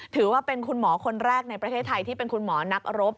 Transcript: ถือว่าเป็นคุณหมอคนแรกในประเทศไทยที่เป็นคุณหมอนักรบ